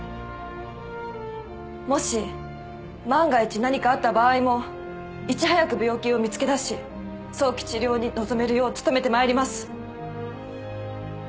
もし万が一何かあった場合もいち早く病気を見つけだし早期治療に臨めるよう努めてまいります。